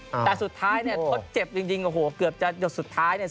จะได้ไปแต่สุดท้ายเนี่ยทดเจ็บจริงโอ้โหเกือบจะสุดท้ายเนี่ย